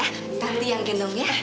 nanti yang gendong ya